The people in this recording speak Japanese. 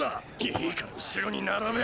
いいから後ろに並べ！